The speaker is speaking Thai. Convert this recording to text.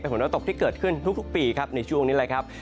เป็นฝนดาวตกที่เกิดขึ้นทุกปีครับในช่วงนี้เลยครับ